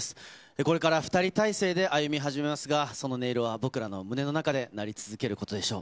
これから２人体制で歩み始めますが、その音色は僕らの胸の中で鳴り続けることでしょう。